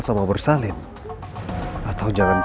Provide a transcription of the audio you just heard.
kamu mau ke toilet juga